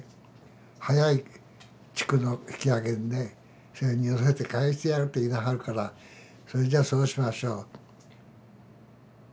早い地区の引揚船に乗せて帰してやるって言いなはるからそれじゃあそうしましょうと。